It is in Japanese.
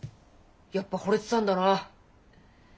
やっぱほれてたんだな。